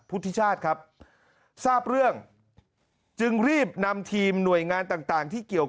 พุทธิชาติครับทราบเรื่องจึงรีบนำทีมหน่วยงานต่างที่เกี่ยว